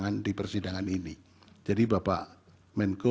jadi ridge berartikel prasinta